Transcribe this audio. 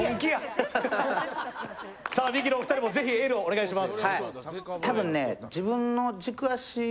ミキのお二人もぜひエールをお願いします。